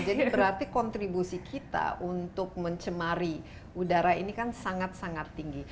jadi berarti kontribusi kita untuk mencemari udara ini kan sangat sangat tinggi